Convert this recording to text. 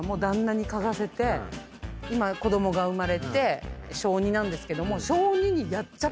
今子供が生まれて小２なんですけども。